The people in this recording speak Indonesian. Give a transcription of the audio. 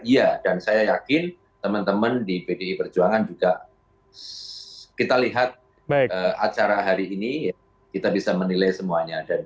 iya dan saya yakin teman teman di pdi perjuangan juga kita lihat acara hari ini kita bisa menilai semuanya